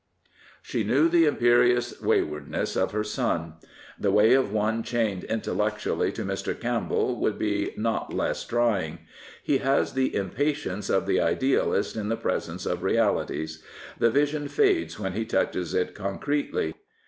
She kiiew the imperious waywardness of her son. The way of one chained intellectually to Mr. Campbell would be not less trying. He has the impatience of the idealist in the presence of realities. The vision fades when he touches it concretely.